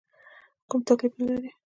کوم تکلیف نه لرې؟